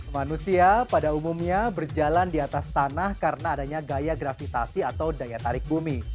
manusia pada umumnya berjalan di atas tanah karena adanya gaya gravitasi atau daya tarik bumi